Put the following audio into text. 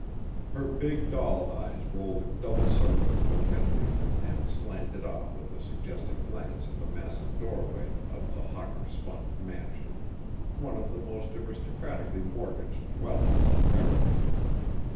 Her big doll eyes rolled a double circuit of coquetry and slanted off with a suggestive glance at the massive doorway of the Hawker Sponge mansion, one of the most aristocratically mortgaged dwellings in America.